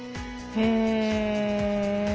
へえ。